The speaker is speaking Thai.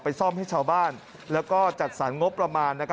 ซ่อมให้ชาวบ้านแล้วก็จัดสรรงบประมาณ